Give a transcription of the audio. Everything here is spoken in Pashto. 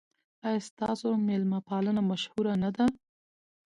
ایا ستاسو میلمه پالنه مشهوره نه ده؟